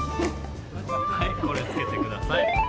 はいこれつけてください